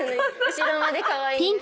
後ろまでかわいいんです。